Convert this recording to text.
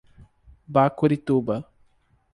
Bacurituba